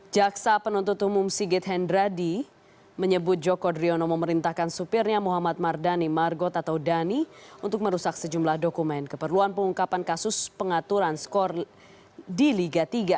jaksa penuntut umum sigit hendradi menyebut joko driono memerintahkan supirnya muhammad mardani margot atau dhani untuk merusak sejumlah dokumen keperluan pengungkapan kasus pengaturan skor di liga tiga